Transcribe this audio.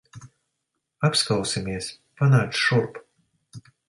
Apskausimies. Panāc šurp.